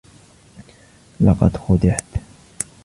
لقد خدعت.